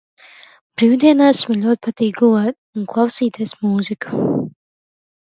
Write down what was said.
Brīvdienās man ļoti patīk gulēt un klausīties mūziku.